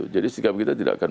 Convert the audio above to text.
jadi sikap kita tidak akan